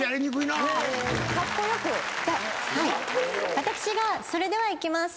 私がそれではいきます。